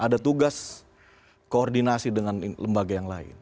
ada tugas koordinasi dengan lembaga yang lain